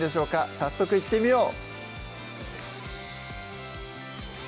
早速いってみよう！